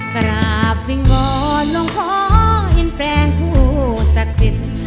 กราบวิงวอนหลวงพ่อหินแปลงผู้ศักดิ์สิทธิ์